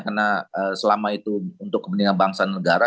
karena selama itu untuk kebenaran bangsa negara